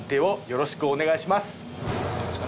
よろしくお願いします！